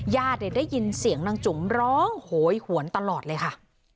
ได้ยินเสียงนางจุ๋มร้องโหยหวนตลอดเลยค่ะ